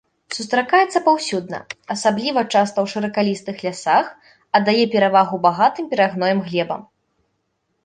Сустракаецца паўсюдна, асабліва часта ў шыракалістых лясах, аддае перавагу багатым перагноем глебам.